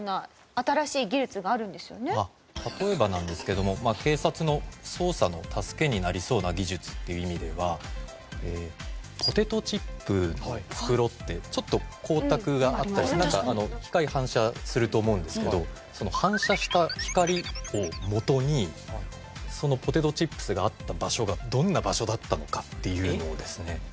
例えばなんですけども警察の捜査の助けになりそうな技術っていう意味ではポテトチップの袋ってちょっと光沢があったりして光反射すると思うんですけどその反射した光をもとにポテトチップスがあった場所がどんな場所だったのかっていうのをですね